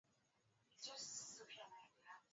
shindikizo hili jipya kutoka marekani ufaransa